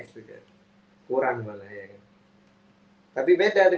ibu ibu mel sketi